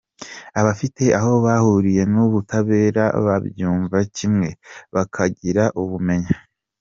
abafite aho bahuriye n’ubutabera babyumva kimwe, bakagira ubumenyi